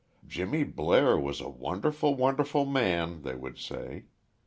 "Jimmy Blair was a wonderful, wonderful man," they would say.